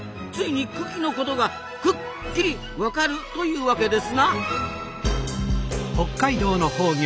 ついに群来のことが「くっき」り分かるというわけですな。